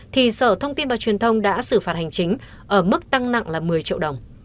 thì sở thông tin và truyền thông đã xử phạt hành chính ở mức tăng nặng là một mươi triệu đồng